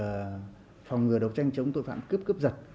và phòng ngừa đấu tranh chống tội phạm cướp cướp giật